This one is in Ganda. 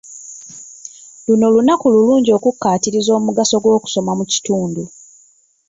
Luno lunaku lulungi okukkaatiriza omugaso gw'okusoma mu kitundu.